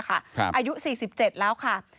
อายุ๔๗แล้วค่ะ